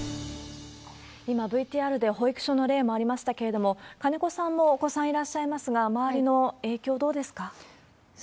今、ＶＴＲでも保育所の例もありましたけれども、金子さんもお子さんいらっしゃいますが、周りの影響どうですか？